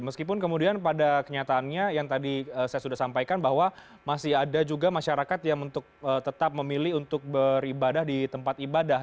meskipun kemudian pada kenyataannya yang tadi saya sudah sampaikan bahwa masih ada juga masyarakat yang tetap memilih untuk beribadah di tempat ibadah